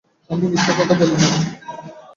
আমি মিথ্যা কথা বলি না।